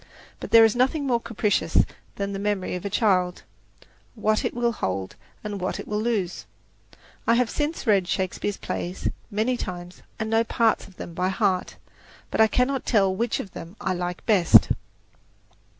But "there is nothing more capricious than the memory of a child: what it will hold, and what it will lose." I have since read Shakespeare's plays many times and know parts of them by heart, but I cannot tell which of them I like best.